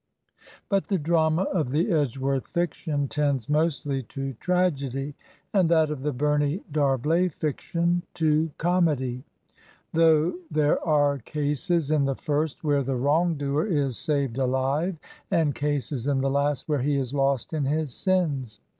But the drama of the Edge worth fiction tends mostly to tragedy, and that of the Bumey D'Arblay fiction to comedy; though there are cases in the first where the wrong doer is saved alive, and cases in the last where he is lost in his sins.